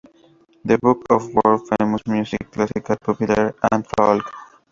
The book of world-famous music: classical, popular, and folk.